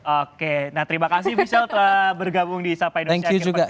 oke nah terima kasih michelle telah bergabung di sapa indonesia akhir pers